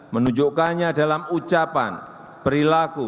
menunjukkannya dalam ucapan perilaku